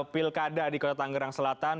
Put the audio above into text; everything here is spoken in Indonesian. pilkada di kota tangerang selatan